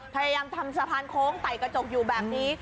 พยายามทำสะพานโค้งไต่กระจกอยู่แบบนี้